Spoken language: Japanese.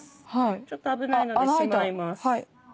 ちょっと危ないのでしまいます。